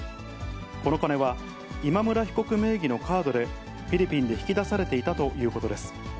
この金は、今村被告名義のカードでフィリピンで引き出されていたということです。